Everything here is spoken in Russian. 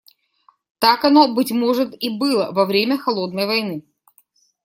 Так оно, быть может, и было во время "холодной войны".